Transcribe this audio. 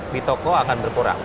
mungkin jumlah toko akan berkurang